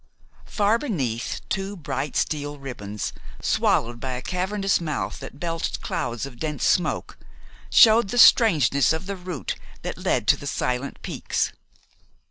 Far beneath, two bright steel ribbons swallowed by a cavernous mouth that belched clouds of dense smoke showed the strangeness of the route that led to the silent peaks.